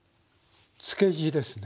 漬け地ですね。